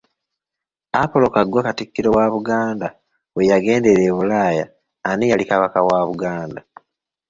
Apollo Kaggwa Katikkiro wa Buganda we yagendera e Bulaaya, ani yali Kabaka wa Buganda.